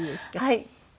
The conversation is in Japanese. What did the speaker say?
はい。